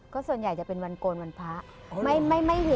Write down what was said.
ก็ส่วนใหญ่จะเป็นวันโกนวันพระ